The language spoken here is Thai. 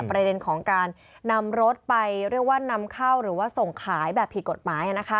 ประเด็นของการนำรถไปเรียกว่านำเข้าหรือว่าส่งขายแบบผิดกฎหมาย